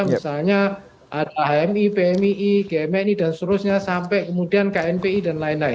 misalnya ada hmi pmii gmi dan seterusnya sampai kemudian knpi dan lain lain